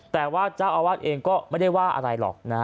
แต่ว่าเจ้าอาวาสเองก็ไม่ได้ว่าอะไรหรอก